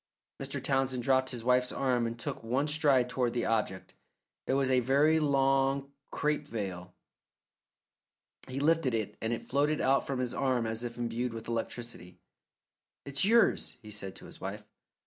Mr. Townsend dropped his wife's arm and took one stride toward the object. It was a very long crape veil. He lifted it, and it floated out from his arm as if imbued with electricity. "It's yours," he said to his wife.